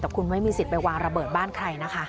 แต่คุณไม่มีสิทธิ์ไปวางระเบิดบ้านใครนะคะ